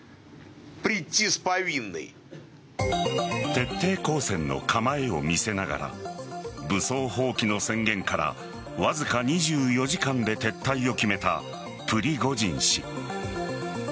徹底抗戦の構えを見せながら武装蜂起の宣言からわずか２４時間で撤退を決めたプリゴジン氏。